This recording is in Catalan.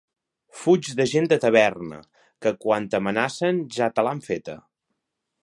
Fuig de gent de taverna, que quan t'amenacen ja te l'han feta.